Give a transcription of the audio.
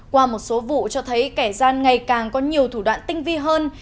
qua một số vụ cho thấy kẻ gian ngày càng có nhiều thủ đoạn tinh vi hơn